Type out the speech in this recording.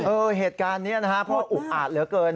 เออเหตุการณ์นี้นะฮะเพราะอุ๊บอาดเหลือเกิน